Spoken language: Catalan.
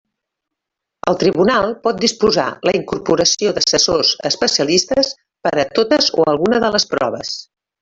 El tribunal pot disposar la incorporació d'assessors especialistes per a totes o alguna de les proves.